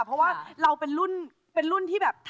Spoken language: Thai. เพราะว่าเราเป็นรุ่นที่แบบ